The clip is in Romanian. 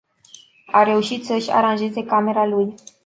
A reușit să-și aranjeze camera lui.